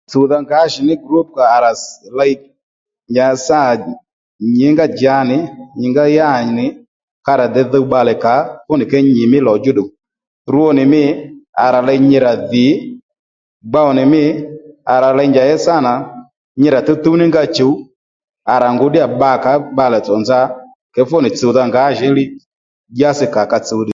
Tsùwdha ngǎjìní grop kà à léy njǎ sâ nà nyǐ ngá djǎnì nyǐ ngá yǎnì ka rà dey dhuw bbalè kǎó fúnì kě nyìmí lò djú ddù rwo nì mî à rà ley nyi rà dhì gbow nì mî à rà ley njàddí sâ nà nyi rà tǔwtǔw ní nga chùw à rà ngu ddíya bbǎkǎ bbalè tsò nza fúnì tsùwdha ngǎjìní dyasi kǎ ka tsuw ddiy